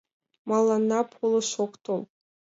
Мыланна полыш ок тол.